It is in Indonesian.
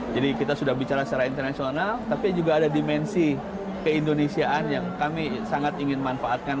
jadi kita sudah bicara secara internasional tapi juga ada dimensi keindonesiaan yang kami sangat ingin manfaatkan